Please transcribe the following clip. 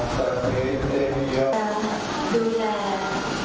สวัสดีครับสวัสดีครับ